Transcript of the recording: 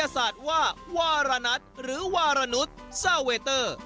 ศาสตร์ว่าวารณัทหรือวารนุษย์ซ่าเวเตอร์